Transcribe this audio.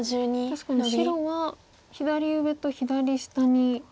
確かに白は左上と左下に。